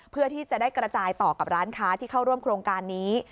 เพื่อที่จะได้กระจายต่อกับร้านค้าที่เข้าร่วมโครงการนี้